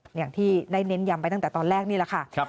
อย่างที่ได้เน้นยำไปตั้งแต่ตอนแรกนี่แหละค่ะ